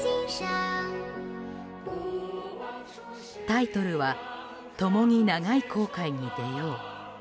タイトルは「共に長い航海に出よう」。